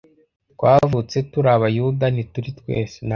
twavutse turi abayuda ntituri twese